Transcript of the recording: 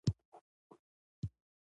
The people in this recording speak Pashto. د دوی له لورینې منندوی یم.